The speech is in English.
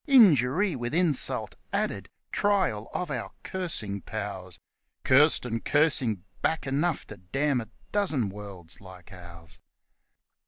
Injury with insult added trial of our cursing powers Cursed and cursing back enough to damn a dozen worlds like ours.